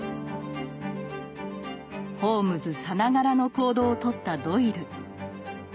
ホームズさながらの行動をとったドイル。